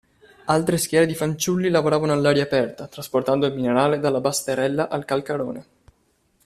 Altre schiere di fanciulli lavoravano all'aria aperta trasportando il minerale dalla basterella al calcarone.